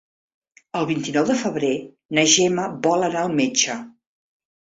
El vint-i-nou de febrer na Gemma vol anar al metge.